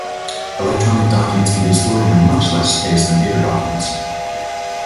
Electronic documents can be stored in a much less space than paper documents.